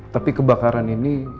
tapi kebakaran ini